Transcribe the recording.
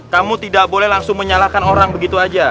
kamu tidak boleh langsung menyalahkan orang begitu saja